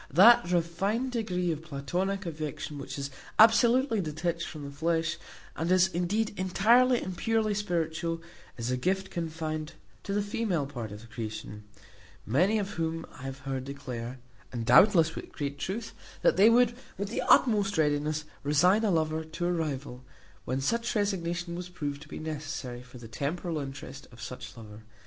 That refined degree of Platonic affection which is absolutely detached from the flesh, and is, indeed, entirely and purely spiritual, is a gift confined to the female part of the creation; many of whom I have heard declare (and, doubtless, with great truth), that they would, with the utmost readiness, resign a lover to a rival, when such resignation was proved to be necessary for the temporal interest of such lover.